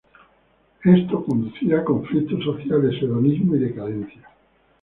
Esto conducía a conflictos sociales, hedonismo y decadencia.